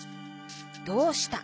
「どうした」？